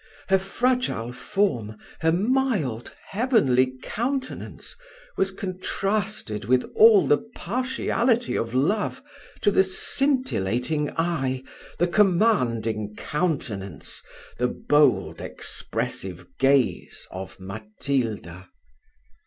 Her fragile form, her mild heavenly countenance, was contrasted with all the partiality of love, to the scintillating eye, the commanding countenance, the bold expressive gaze, of Matilda.